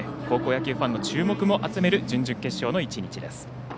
高校野球ファンの注目も集める準々決勝の１日です。